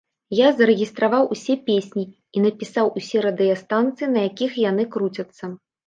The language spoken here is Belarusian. Я зарэгістраваў усе песні і напісаў усе радыёстанцыі, на якіх яны круцяцца.